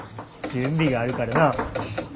準備があるからな。